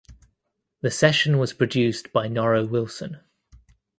The session was produced by Norro Wilson.